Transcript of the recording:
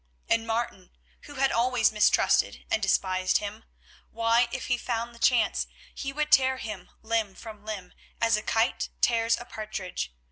And Martin, who had always mistrusted and despised him, why, if he found the chance, he would tear him limb from limb as a kite tears a partridge.